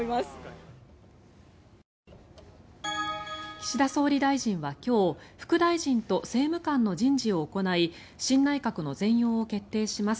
岸田総理大臣は今日副大臣と政務官の人事を行い新内閣の全容を決定します。